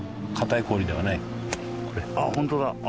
あっ本当だあ